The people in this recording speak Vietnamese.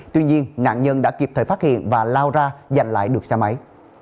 tuy nhiên nạn nhân đã kịp thời phát hiện và lao ra giành lại được xe máy